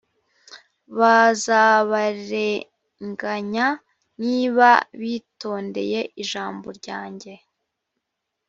bazabarenganya niba bitondeye ijambo ryanjye